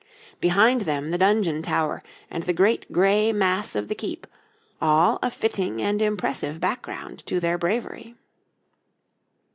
Behind them the dungeon tower, and the great gray mass of the keep all a fitting and impressive background to their bravery.